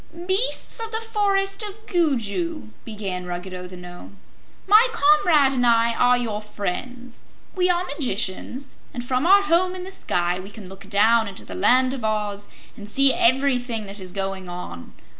"Beasts of the Forest of Gugu," began Ruggedo the Nome, "my comrade and I are your friends. We are magicians, and from our home in the sky we can look down into the Land of Oz and see everything that is going on.